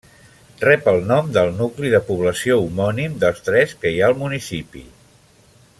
Rep el nom del nucli de població homònim dels tres que hi ha al municipi.